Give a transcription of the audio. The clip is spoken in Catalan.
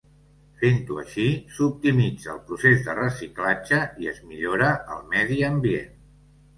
Fent-ho així, s'optimitza el procés de reciclatge i es millora el medi ambient.